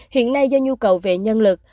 hiện nay do nhu cầu về nhân lực